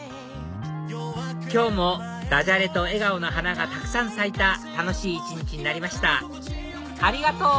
今日も駄じゃれと笑顔の花がたくさん咲いた楽しい一日になりましたありがとう！